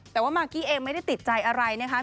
แต่ว่ามากกี้เองไม่ได้ติดใจอะไรนะคะ